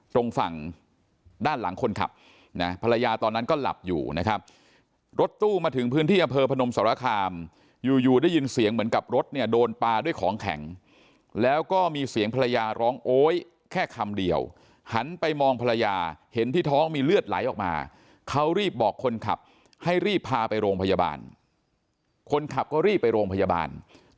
ตรงฝั่งด้านหลังคนขับนะภรรยาตอนนั้นก็หลับอยู่นะครับรถตู้มาถึงพื้นที่อำเภอพนมสรคามอยู่อยู่ได้ยินเสียงเหมือนกับรถเนี่ยโดนปลาด้วยของแข็งแล้วก็มีเสียงภรรยาร้องโอ๊ยแค่คำเดียวหันไปมองภรรยาเห็นที่ท้องมีเลือดไหลออกมาเขารีบบอกคนขับให้รีบพาไปโรงพยาบาลคนขับก็รีบไปโรงพยาบาล